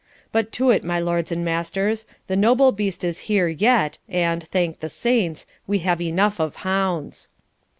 But to it, my lords and masters! the noble beast is here yet, and, thank the saints, we have enough of hounds.'